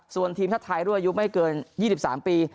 ส่วนทีมท่าทายล่วยยุคไม่เกิน๒๓ปี